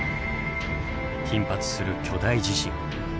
頻発する巨大地震。